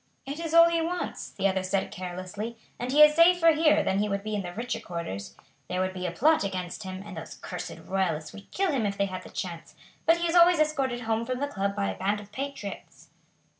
"It is all he wants," the other said carelessly; "and he is safer here than he would be in the richer quarters. There would be a plot against him, and those cursed Royalists would kill him if they had the chance; but he is always escorted home from the club by a band of patriots."